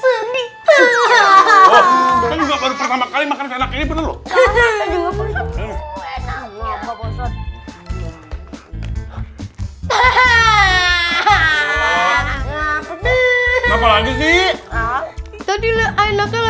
hahaha plastik hai buka pelancong